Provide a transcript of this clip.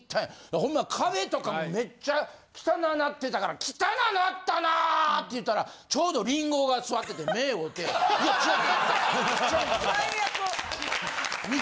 ほんま壁とかめっちゃ汚なってたから「汚なったな！」って言ったらちょうどリンゴが座ってて目ぇ合うて「いや違う違うちゃうって」。